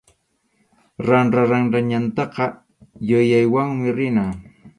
Ranraranra ñantaqa yuyaywanmi rina.